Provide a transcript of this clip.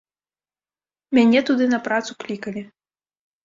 Мяне туды на працу клікалі.